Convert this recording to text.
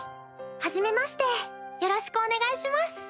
はじめましてよろしくお願いします。